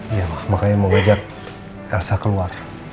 iya ma makanya mau ajak elsa keluar